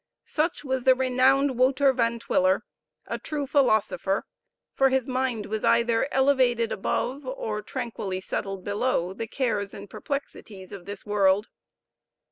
Such was the renowned Wouter Van Twiller a true philosopher, for his mind was either elevated above, or tranquilly settled below, the cares and perplexities of this world.